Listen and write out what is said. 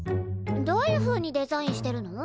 どういうふうにデザインしてるの？